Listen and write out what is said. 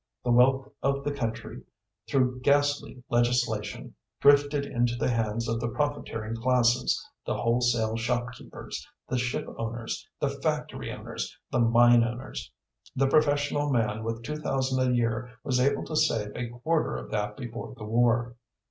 The wealth of the country, through ghastly legislation, drifted into the hands of the profiteering classes, the wholesale shopkeepers, the ship owners, the factory owners, the mine owners. The professional man with two thousand a year was able to save a quarter of that before the war.